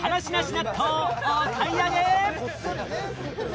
納豆をお買い上げ！